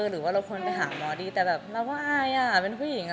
หรือว่าเราควรไปหาหมอดีแต่แบบเราก็อายเป็นผู้หญิง